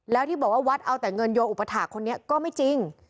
แล้วที่บอกว่าวัดเอาแต่เงินโยอุปถาคคนนี้ก็ไม่จริง